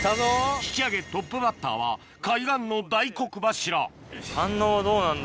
引き上げトップバッターは海岸の大黒柱反応はどうなんだろう？